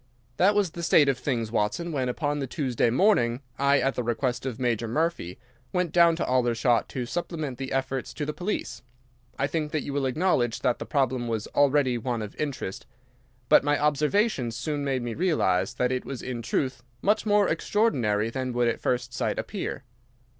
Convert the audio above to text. "That was the state of things, Watson, when upon the Tuesday morning I, at the request of Major Murphy, went down to Aldershot to supplement the efforts of the police. I think that you will acknowledge that the problem was already one of interest, but my observations soon made me realize that it was in truth much more extraordinary than would at first sight appear.